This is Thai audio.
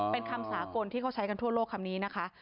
เป็นคำสากลที่เขาใช้กันทั่วโลกคำนี้นะคะ